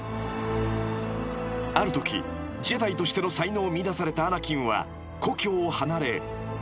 ［あるときジェダイとしての才能を見いだされたアナキンは故郷を離れ］